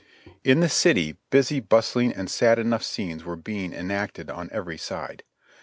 In the city, busy, bustling and sad enough scenes were being enacted on every side.